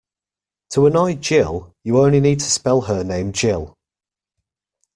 To annoy Gill, you only need to spell her name Jill.